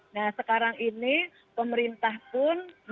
nah sekarang ini pemerintah pun